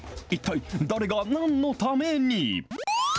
一体誰がなんのために？